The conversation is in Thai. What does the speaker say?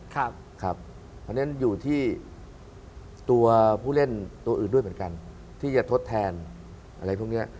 เพราะฉะนั้นอยู่ที่ตัวผู้เล่นตัวอื่นด้วยเหมือนกันที่จะทดแทนอะไรพวกนี้